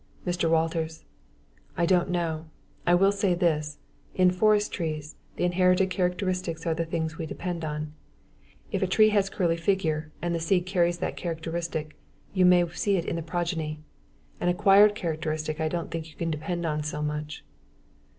MR. WALTERS: I don't know. I will say this; in forest trees, the inherited characteristics are the things we depend upon. If a tree has curly figure and the seed carries that characteristic, you may see it in the progeny. An acquired characteristic I don't think you can depend on so much.